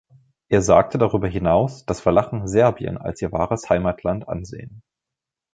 Er sagte darüber hinaus, dass Walachen Serbien als ihr wahres Heimaltland ansehen.